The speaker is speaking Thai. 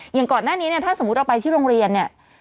อย่างก่อนหน้านี้ถ้าสมมติเราไปที่โรงเรียน